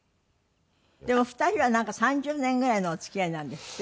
でも２人はなんか３０年ぐらいのお付き合いなんですって？